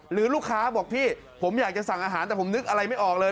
หรือลูกค้าบอกพี่ผมอยากจะสั่งอาหารแต่ผมนึกอะไรไม่ออกเลย